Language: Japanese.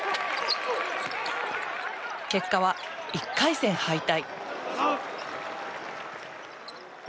結果は１回戦敗退。